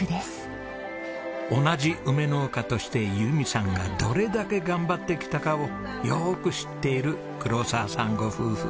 同じ梅農家として由美さんがどれだけ頑張ってきたかをよく知っている黒澤さんご夫婦。